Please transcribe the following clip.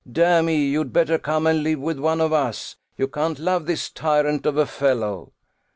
Damme, you'd better come and live with one of us. You can't love this tyrant of a fellow."